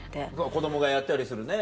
子供がやったりするね。